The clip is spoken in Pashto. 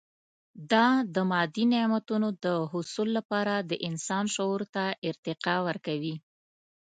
دا د مادي نعمتونو د حصول لپاره د انسان شعور ته ارتقا ورکوي.